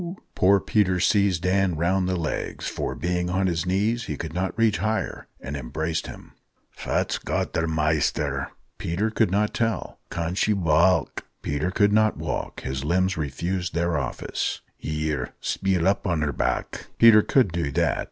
Poor Peter seized Dan round the legs, for, being on his knees, he could not reach higher, and embraced him. "Fat's got the maister?" Peter could not tell. "Can she waalk?" Peter couldn't walk his limbs refused their office. "Here, speel up on her back." Peter could do that.